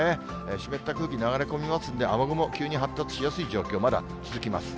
湿った空気、流れ込みますんで、雨雲、急に発達しやすい状況、まだ続きます。